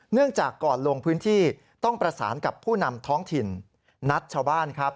เนื่องจากก่อนลงพื้นที่ต้องประสานกับผู้นำท้องถิ่นนัดชาวบ้านครับ